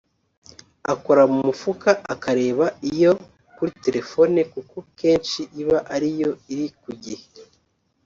akora mu mufuka akareba iyo kuri telefone kuko kenshi iba ariyo iri ku gihe